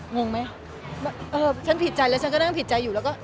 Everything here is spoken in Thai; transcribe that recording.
งงไหมเออฉันผิดใจแล้วฉันก็นั่งผิดใจอยู่แล้วก็